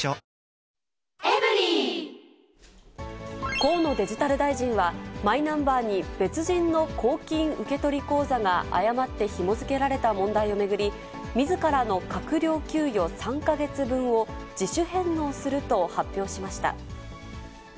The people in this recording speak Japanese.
河野デジタル大臣は、マイナンバーに、別人の公金受取口座が誤ってひも付けられた問題を巡り、みずからの閣僚給与３か月分を自主返納すると発表しました。